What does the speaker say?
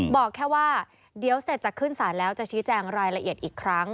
บอกแค่ว่าเดี๋ยวเสร็จจะขึ้นศาลแล้วจะชี้แจงรายละเอียดอีกครั้ง